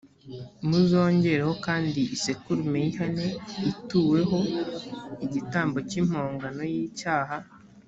muzongereho kandi isekurume y’ihene ituweho igitambo cy’impongano y’icyaha.